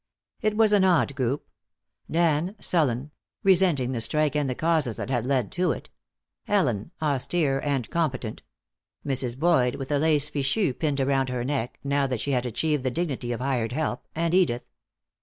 It was an odd group: Dan sullen, resenting the strike and the causes that had led to it; Ellen, austere and competent; Mrs. Boyd with a lace fichu pinned around her neck, now that she had achieved the dignity of hired help, and Edith.